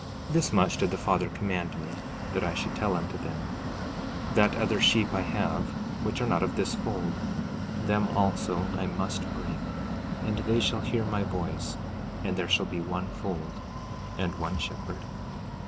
15:16 This much did the Father command me, that I should tell unto them: 15:17 That other sheep I have which are not of this fold; them also I must bring, and they shall hear my voice; and there shall be one fold, and one shepherd.